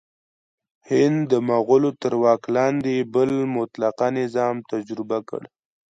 هند د مغولو تر واک لاندې بل مطلقه نظام تجربه کړ.